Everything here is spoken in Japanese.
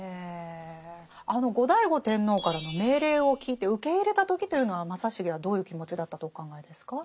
あの後醍醐天皇からの命令を聞いて受け入れた時というのは正成はどういう気持ちだったとお考えですか？